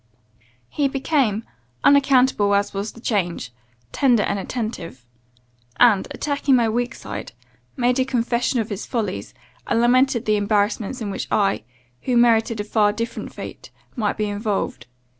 "He became, unaccountable as was the change, tender and attentive; and, attacking my weak side, made a confession of his follies, and lamented the embarrassments in which I, who merited a far different fate, might be involved.